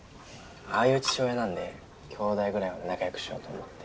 ああいう父親なんで兄弟ぐらいは仲良くしようと思って。